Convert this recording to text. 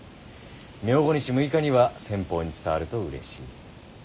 明後日６日には先方に伝わるとうれしい。